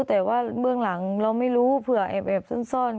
แต่ว่าเบื้องหลังเราไม่รู้เผื่อแอบซ่อน